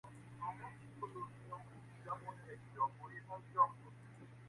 সদস্যরা তাদের নাম বেনামে রাখতে পছন্দ করে এবং তাই সংবাদের জন্য ছদ্মনাম ব্যবহার করে।